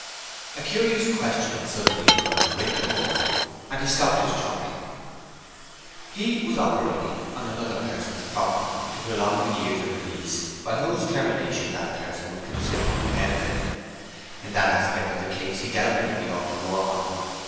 A curious question suddenly occurred to Winterborne, and he stopped his chopping. He was operating on another person's property to prolong the years of a lease by whose termination that person would considerably benefit. In that aspect of the case he doubted if he ought to go on.